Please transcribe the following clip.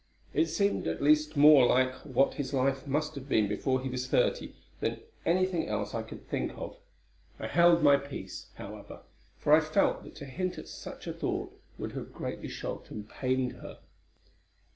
It seemed at least more like what his life must have been before he was thirty, than any thing else I could think of. I held my peace however; for I felt that to hint at such a thought would have greatly shocked and pained her.